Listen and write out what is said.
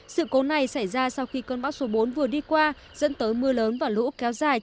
sự cố này xảy ra sau khi cơn bão số bốn vừa đi qua dẫn tới mưa lớn và lũ kéo dài